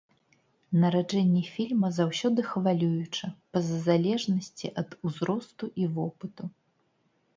Нараджэнне фільма заўсёды хвалююча па-за залежнасці ад узросту і вопыту.